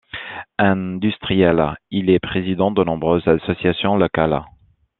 Industriel, il est président de nombreuses associations locales.